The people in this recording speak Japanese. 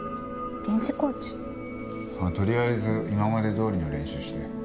とりあえず今までどおりの練習して。